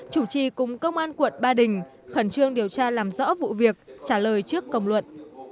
chủ trì cùng công an quận ba đình khẩn trương điều tra làm rõ vụ việc trả lời trước công luận